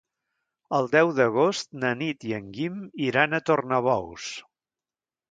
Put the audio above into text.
El deu d'agost na Nit i en Guim iran a Tornabous.